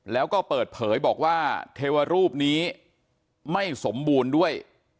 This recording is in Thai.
แล้วก็เปิดเผยบอกว่าเทวรูปนี้ไม่สมบูรณ์ด้วย